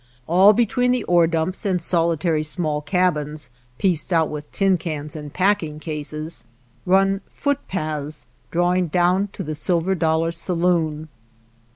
All between the ore dumps and solitary small cabins, pieced out with tin cans and packing cases, run footpaths drawing down to the Silver Dollar saloon.